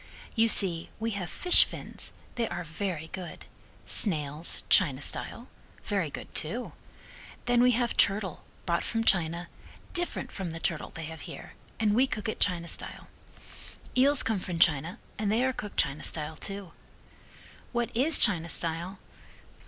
"You see, we have fish fins, they are very good. Snails, China style. Very good, too. Then we have turtle brought from China, different from the turtle they have here, and we cook it China style. Eels come from China and they are cooked China style, too. What is China style?